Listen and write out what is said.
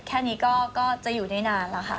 แค่นี้ก็จะอยู่ได้นานแล้วค่ะ